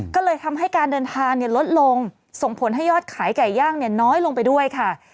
ก็เลยทำให้การเดินทางลดลงส่งผลให้ยอดขายไก่ย่างน้อยลงไปด้วยค่ะ